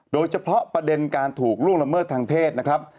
โดยเฉพาะประเด็นการถูกล่วงละเมิดทางเพศนะครับ